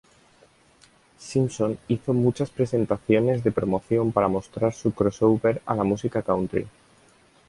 Simpson hizo muchas presentaciones de promoción para mostrar su crossover a la música Country.